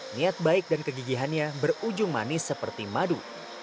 niat baik dan kegigihannya berujung manis seperti madu